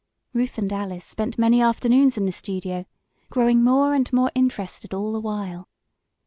Ruth and Alice spent many afternoons in the studio, growing more and more interested all the while.